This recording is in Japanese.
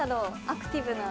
アクティブな。